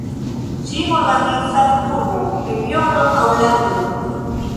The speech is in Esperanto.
Ĝin organizas urbo, regiono aŭ lando.